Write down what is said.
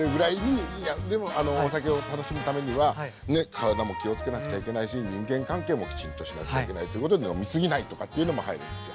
でもお酒を楽しむためにはね体も気を付けなくちゃいけないし人間関係もきちんとしなくちゃいけないっていうことで飲み過ぎないとかっていうのも入るんですよ。